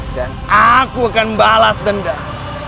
dan aku akan balas dendam